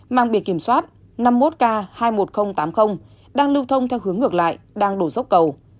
mang biệt kiểm soát năm mươi một k hai mươi một nghìn tám mươi đang lưu thông theo hướng ngược lại đang đổ dốc cầu